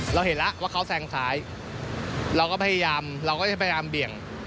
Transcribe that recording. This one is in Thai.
เราเห็นแล้วว่าเขาแซงซ้ายเราก็พยายามเราก็จะพยายามเบี่ยง